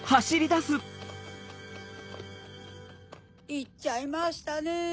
いっちゃいましたね。